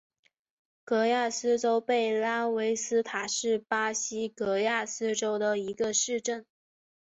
戈亚斯州贝拉维斯塔是巴西戈亚斯州的一个市镇。